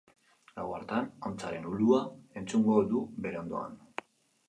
Gau hartan hontzaren ulua entzungo du bere ondoan.